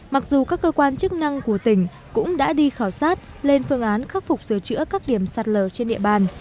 mặc dù các cơ quan chức năng của tỉnh cũng đã đi khảo sát lên phương án khắc phục sửa chữa các điểm sạt lở trên địa bàn